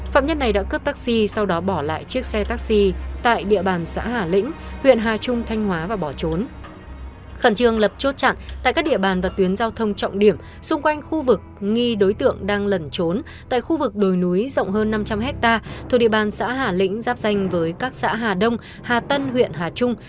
phạm nhân này đã cướp taxi sau đó bỏ lại chiếc xe taxi tại địa bàn xã hà lĩnh huyện hà trung thanh hóa và bỏ trốn